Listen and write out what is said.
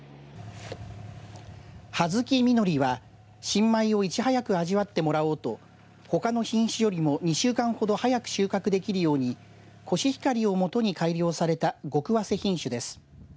葉月みのりは新米をいち早く味わってもらおうとほかの品種よりも２週間ほど早く収穫できるようにコシヒカリを基に改良されたごくわせ品種です。